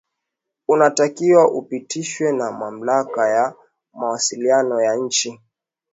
unatakiwa upitishwe na mamlaka ya mawasiliano ya nchi